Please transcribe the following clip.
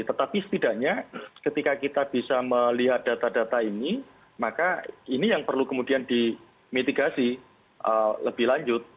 tetapi setidaknya ketika kita bisa melihat data data ini maka ini yang perlu kemudian dimitigasi lebih lanjut